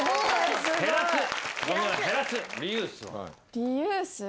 リユースは。